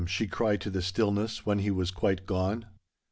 she cried to the stillness, when he was quite gone.